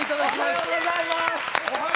おはようございます！